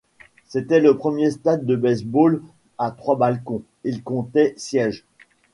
C’était le premier stade de baseball à trois balcons; il comptait sièges.